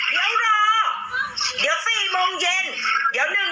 เดี๋ยวรอเดี๋ยว๔โมงเย็นเดี๋ยวหนึ่ง